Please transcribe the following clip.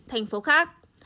thành phố khác